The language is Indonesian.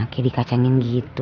kayak dikacangin gitu